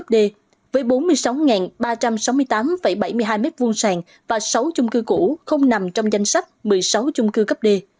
đối với chung cư cũ không nằm trong danh sách một mươi sáu chung cư cấp d